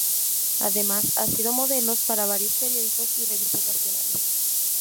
Además, ha sido modelos para varios periódicos y revistas nacionales.